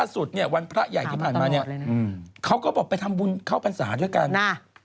สุดเนี่ยวันพระใหญ่ที่ผ่านมาเนี่ยเขาก็บอกไปทำบุญเข้าพรรษาด้วยกันอ่า